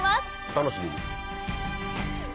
お楽しみに。